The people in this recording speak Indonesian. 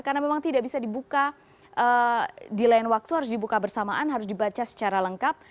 karena memang tidak bisa dibuka di lain waktu harus dibuka bersamaan harus dibaca secara lengkap